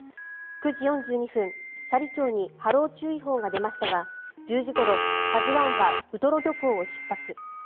９時４２分、斜里町に波浪注意報が出ましたが１０時ごろ、「ＫＡＺＵ１」はウトロ漁港を出発。